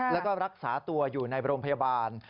แล้วก็รักษาตัวอยู่ในโรงพยาบาล